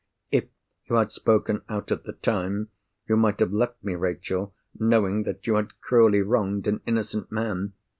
"If you had spoken out at the time, you might have left me, Rachel, knowing that you had cruelly wronged an innocent man."